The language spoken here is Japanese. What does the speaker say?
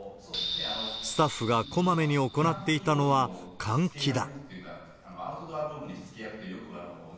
スタッフがこまめに行っていたのは換気だ。